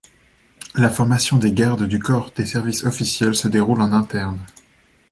La formation des gardes du corps des services officiels se déroule en interne.